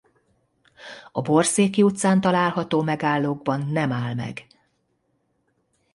A Borszéki utcán található megállókban nem áll meg.